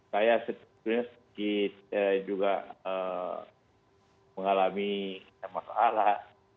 saya juga mengalami masalah